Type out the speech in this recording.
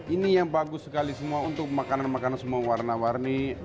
ini yang bagus sekali semua untuk makanan makanan semua warna warni